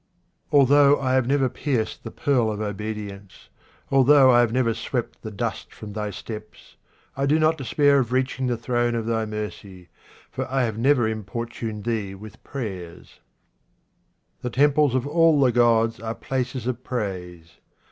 Although I have never pierced the pearl of obedience, although I have never swept the dust from Thy steps, I do not despair of reaching the throne of Thy mercy, for I have never importuned Thee with prayers. 66 QUATRAINS OF OMAR KHAYYAM The temples of all the gods are places of praise.